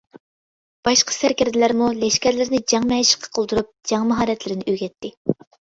باشقا سەركەردىلەرمۇ لەشكەرلەرنى جەڭ مەشقى قىلدۇرۇپ جەڭ ماھارەتلىرىنى ئۆگەتتى.